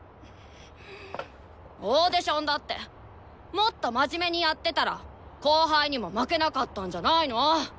オーディションだってもっと真面目にやってたら後輩にも負けなかったんじゃないの？